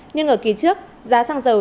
nhưng ở kỳ trước giá xăng dầu